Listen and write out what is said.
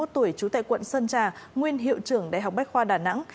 sáu mươi một tuổi trú tại quận sơn trà nguyên hiệu trưởng đại học bách khoa đà nẵng